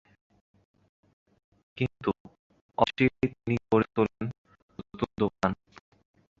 কিন্তু অচিরেই তিনি গড়ে তোলেন নতুন দোকান।